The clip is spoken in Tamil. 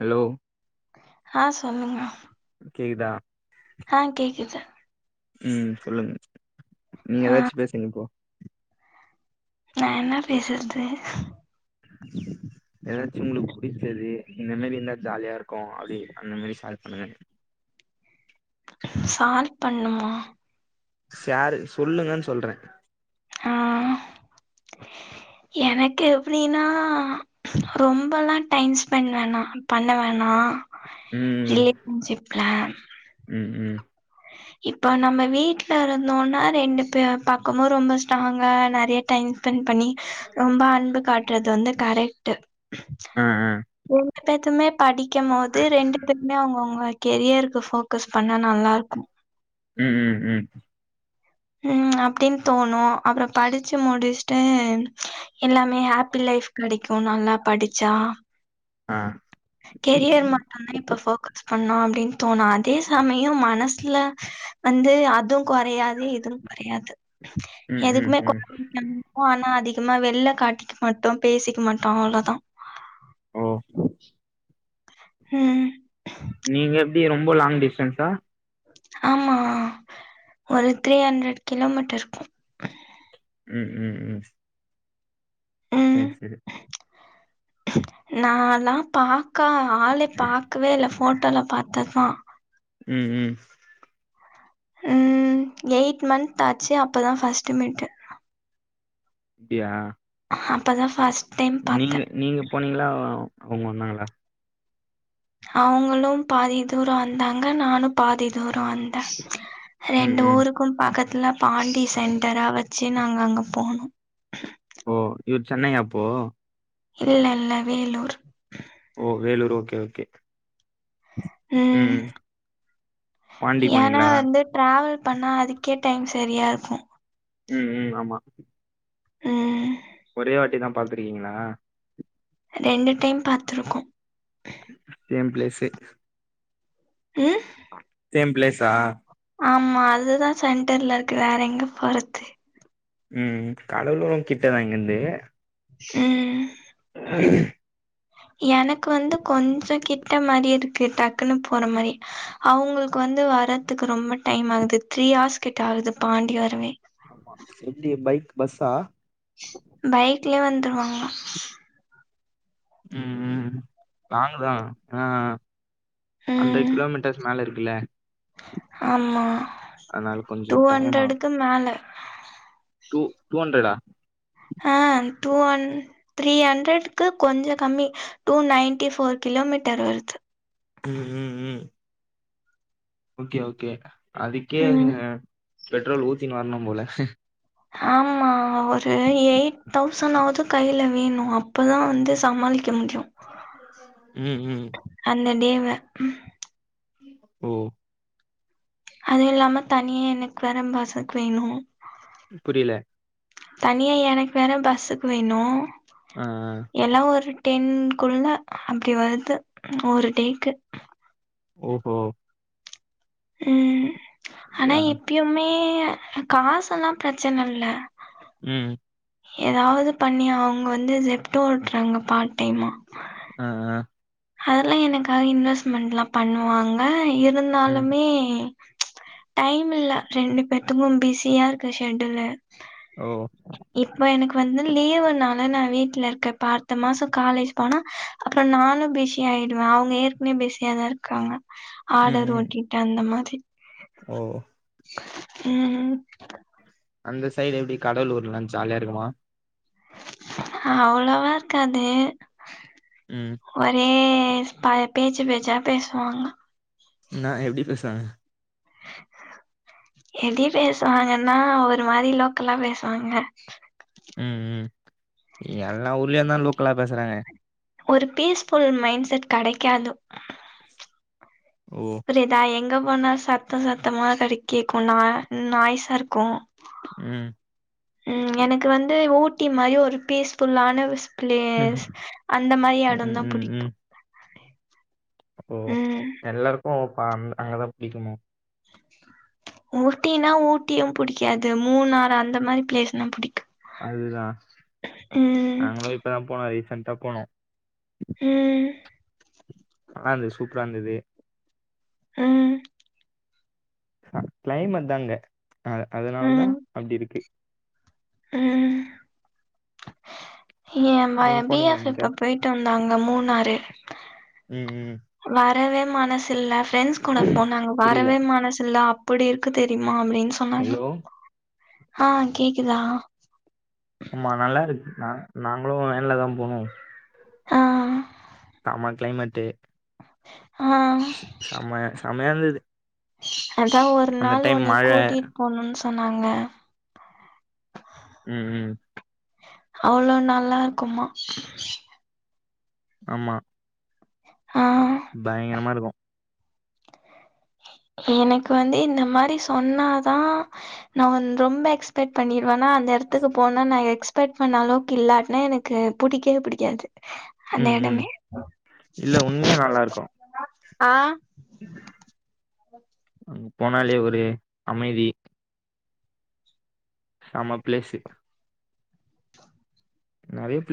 ஹலோ ஹ சொல்லுங்க கேக்குதா ஹ கேக்குது ம் சொல்லுங்க நீங்க ஆ எதாச்சு பேசுங்க இப்போ நா என்ன பேசறது எதாச்சு ஒங்களுக்கு புடிச்சது இந்த மாரி இருந்த ஜாலியா இருக்கு அப்டி அந்த மாரி ஷால் பண்ணுங்க சால் பண்ணுமா ஷேரு சொல்லுங்கன்னு சொல்ற ஹா எனக்கு எப்டினா ரொம்பல்ல டைம் ஸ்பெண்ட் வேணா பண்ண வேணா ம் [unintelligible] ம் ம் இப்ப நம்ம வீட்ல இருந்தோனா ரெண்டு பே பக்கமு ரொம்ப ஸ்ட்ராங்க நெறைய டைம் ஸ்பெண்ட் பண்ணி ரொம்ப அன்பு காட்றது வந்து கரெட்டு அ அ ரெண்டு பேத்துமே படிக்க போது ரெண்டு பேருமே அவுங்க அவுங்க கெரியருக்கு ஃபோக் கஸ் பண்ணா நல்லா இருக்கு ம் ம் ம் ம் அப்டின் தோணு அப்றோ படிச்சு முடிச்ட்டு எல்லாமே ஹாப்பி லைஃப் கெடைக்கு நல்லா படிச்சா ஆ கெரியர் மட்டும்தா இப்ப போக்கஸ் பண்ணோ அப்டின்னு தோணு அதே சமயோ மனசுல வந்து அதுவு கொறையாது இதுவு கொறையாது ம் ம் எதுக்குமே [inaudible] ம் எப்வு ஆனா அதிகமா வெளில காட்டிக்க மாட்டோ பேசிக்க மாட்டோ அவ்ளோதா ஓ ம் நீங்க எப் டி நீங்க ரொம்ப லாங் டிஸ்டன்ஸா ஆமா ஒரு த்ரீ ஹண்ட்ரட் கிலோமீட்டர் இருக்கு ம் ம் ம் சேரி சேரி நா லா பாக் க்கா ஆள பாக்கவே இல்ல ஃபோட்டோல பாத்தது தா ம் ம் ம்ம எயித் மன்ந்த் ஆச்சு அப்போ தா ஃபஸ்ட்டு மீட்டு அப்டியா அப்பதா ஃபர்ஸ்ட் நீங்க நீங்க போனீங்களா அவுங்க வந்தாங்களா அவுங்களு பாதி தூரோ வந்தாங்க நானு பாதி தூரோ வந்தே ம் ரெண்டு ம் ஊருக்கு பக்கத்துல பாண்டி சென்டரா வெச்சி நாங்க அங்க போனோ ஓ இவரு சென்னையா அப்போ இல்ல இல்ல வேலூர் ஓ வேலூர் ஓகே ஓகே ம் பாண்டி போனீங்களா ட்ராவல் பண்ணா அதுக்கே டைம் செரியா இருக்கு ம் ம் ஆமா ம் ஒரே வாட்டி தா பாத்திருக்கீங்களா ரெண்டு டைம் பாத்திருக்கோ சேம் ப்ளேஸ்சே அ சேம் ப்ளேஸா ஆமா அதுதா சென்டர்ல இருக்கு வேற எங்க போறது ம் கடலூரு கிட்டதா இங்கந்து ம்ம் [unintelligible] எனக்கு வந்து கொஞ்ச கிட்ட மாதி இருக்கு இப்பயே டக்குன்னு போன மாரி அவுங்களுக்கு வந்து வரதுக்கு ரொம்ப டைம் ஆகுது த்ரீ அவர்ஸ் கிட்ட ஆகுது பாண்டி வரவே ஆமா எப்டி பைக் பஸ்ஸா பைக்லே வந்துருவாங்க ம் ம் லாங்கு தா ஆ ஹன்ரட் ம் கிலோமீட்டஸ் மேல இருக்குல்ல ஆமா அதனால கொஞ்சோ டூ டைம் ஆகு ஹன்ரடுக்கு மேல டூ டூ ஹன்ரட்டா ஆங் டூ ஹன் த்ரீ ஹன்ரட்கு கொஞ்சோ கம்மி டூ நைன்டி போர் கிலோமீட்டர் வருது ம் ம் ம் ஓகே ஓகே அதுக்கே ம் அவுங்க பெட்ரோல் ஊத்தினு வர்ணு போல ஆமா ஒரு எயிட் தௌசண்னாவது கையில வேணு அப்பதா வந்து சமாளிக்க முடியு ம் ம் அந்த டேவே ஓ அது இல்லாம தனியே எனக்கு வேர பஸ்சுக் வேணு புரில தனியா எனக்கு வேற பஸ்சுக் வேணு ஆ எல்லா ஒரு டென்குள்ள அப்டி வருது ஒரு டேக்கு ஓஹோ ம் ஆனா அப்டியா இப்பியுமே காசெல்லா பிரச்சனல்ல ம் எதாவது பண்ணி அவங்க வந்து ஜெப்டோ ஓட்றாங்க பார்ட் டைமா ஆ ஆ அதெல்லா எனக்காக இன்வெஸ்ட்மெண்ட்லா பண்ணுவாங்க ம் இருந்தாலுமே டைம் இல்ல ரெண்டு பேத்துக்கு பிஸியா இருக்கு ஷெடூல்லு ஓ இப்போ எனக்கு வந்து லீவுனால நா வீட்ல இருக்கே இப்ப அடுத்த மாச காலேஜ் போனா அப்பற நானு பீச் பிஸி ஆயிடுவ அவங்க ஏற்கனவே பிஸியாதா இருக்காங்க ம் ஆடர் ம் ஓட்டிட்டு அந்த மாரி ஓ ம் ம் அந்த சைடு எப்பிடி கடலூர்லா ஜாலியா இருக்குமா அ அவ்ளோவாருக்காது ம் ஒரே பழைய பேச்சு பேச்சா பேசுவாங்க என்னா எப்டி பேசுவாங்க எப்டி பேசுவாங்கன்னா ஒரு மாரி லோக்கலா பேசுவாங்க ம் ம் எல்லா ஊர்லயுந்தா லோக்கலா பேசுறாங்க ஒரு பீஸ்ஃபுல் மைண்ட் செட் கெடைக்காது ஓ புரிதா எங்க போனா சத்த சத்தமா கெடை கேக்குனா நாய்ஸ்ஸாருக்கு ம் ம் எனக்கு வந்து ஊட்டி மாரி ஒரு பீஸ்ஃபுல்லான விஸ் பிளேஸ் ம் அந்த மாரி இடந்தா புடிக்கு அப்போ ம் எல்லாருக்கு ஓ பாம் அங்கதா புடிக்குமோ ஊட்டினா ஊட்டியு புடிக்காது மூணாறு அந்த மாரி பிளேஸ்னா புடிக்கு அதுதா ம் நாங்களு இப்பதா போனோ ரீசன்டா போனோ ம் நல்லாருந்துது சூப்பராருந்துது ம் அ கிளைமாட்தா அங்க அ அதனாலதா ம் அப்டிருக்கு ம் ஏ பைய நீங்க பி போனீங்களா எப் இப்ப என்னைக்காது போயிட்டு வந்தாங்க மூணாறு ம் ம் வரவே மனசில்ல ஃப்ரெண்ட்ஸ் கூட போனாங்க புரியல வரவே மனசில்ல அப் ப்பிடி இருக்கு தெரிமா அப்டின் சொன்னாங்க ஹலோ ஆ கேக்குதா ஆமா நல்லாருக்கு நா நாங்களு வேன்லதா போனோ ஆ ஆமா கிளைமெட்டு ஆ ஸ் சம்ம செம்மையாருந்துது அதா ஒரு நாள் உன்னை மழ கூட்டிட் போணுன் சொன்னாங்க ம் ம் அவ்ளோ நல்லா இருக்குமா ஆமா ஆ பயங்கரமா இருக்கு எனக்கு வந்து இந்த மாரி சொன்னாதா நா வந் ரொம்ப எக்ஸ்பெக்ட் பண்ணிடுவனா அந்த எடத்துக்கு போனா நா எக்ஸ்பெக்ட் பண்ண அளவுக்கு இல்லாட்னா எனக் கு புடிக்கவே புடிக்காது அந்த ம் ம் எடமே இல்ல உண்மையா நல்லா இருக்கு ஆ அங் போனாலே ஒரு அமைதி செம பிளேசு நெறயபில்